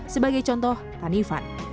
sebagai contoh tani fun